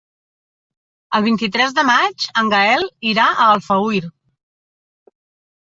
El vint-i-tres de maig en Gaël irà a Alfauir.